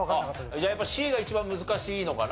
じゃあやっぱＣが一番難しいのかな？